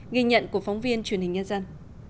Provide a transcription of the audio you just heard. nghi nhận của phóng viên truyền hình nhân dân